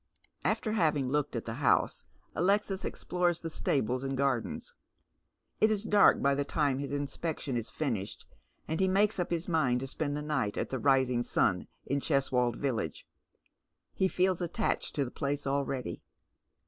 After having looked at the house Alexis explores stables and gardens. It is dark bj' the time his inspection is finished, and he makes up his mind to spend the night at the " Rising Sun " in Cheswold village. He feels attached to the place already.